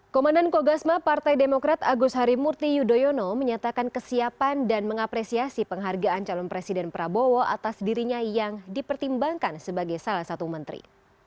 komandan kogasma partai demokrat agus harimurti yudhoyono menyatakan kesiapan dan mengapresiasi penghargaan calon presiden prabowo atas dirinya yang dipertimbangkan sebagai salah satu menteri